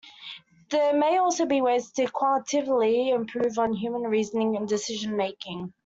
There may also be ways to "qualitatively" improve on human reasoning and decision-making.